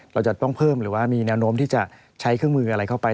เราจะต้องเพิ่มหรือว่ามีแนวโน้มที่จะใช้เครื่องมืออะไรเข้าไป